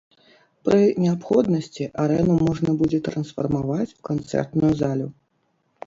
Пры неабходнасці арэну можна будзе трансфармаваць у канцэртную залю.